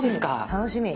楽しみ。